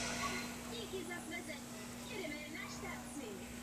Systém čištění vody je založen hlavně na principu absorpce.